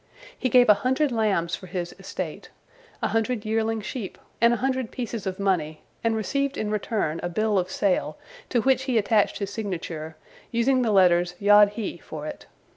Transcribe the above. He gave a hundred lambs for his estate, a hundred yearling sheep, and a hundred pieces of money, and received in return a bill of sale, to which he attached his signature, using the letters Yod He for it.